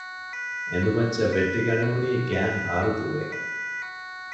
އެނދު މައްޗަށް ވެއްޓިގަނެވުނީ ގައިން ބާރު ދޫވެގެން